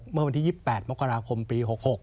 เมื่อวันที่๒๘มกราคมปี๖๖